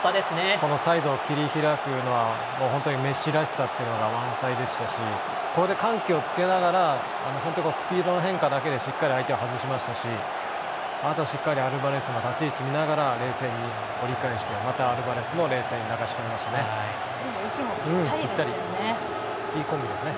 このサイドを切り開くのは本当にメッシらしさというのが満載でしたしこれで緩急をつけながら本当、スピードの変化だけでしっかり相手を外しましたしあとはしっかりアルバレスの立ち位置を見ながら丁寧に折り返してまた、アルバレスも冷静に流し込みましたね。